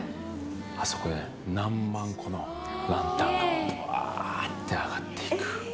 あそこで何万個のランタンがぶわーって上がっていく。